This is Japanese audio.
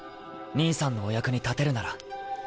兄さんのお役に立てるなら。